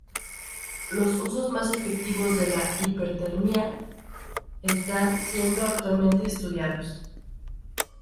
Los usos más efectivos de la Hipertermia están siendo actualmente estudiados.